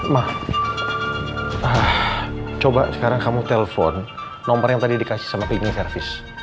mah coba sekarang kamu telpon nomor yang tadi dikasih sama penyi service